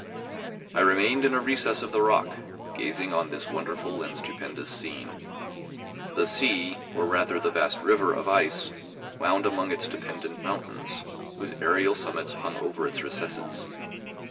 I remained in a recess of the rock, gazing on this wonderful and stupendous scene. The sea, or rather the vast river of ice, wound among its dependent mountains, whose aerial summits hung over its recesses.